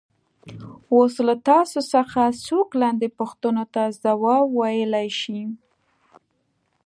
اوس له تاسو څخه څوک لاندې پوښتنو ته ځواب ویلای شي.